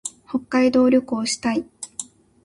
北海道旅行したい。